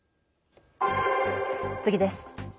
次です。